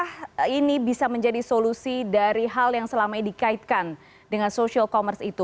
apakah ini bisa menjadi solusi dari hal yang selama ini dikaitkan dengan social commerce itu